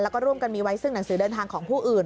แล้วก็ร่วมกันมีไว้ซึ่งหนังสือเดินทางของผู้อื่น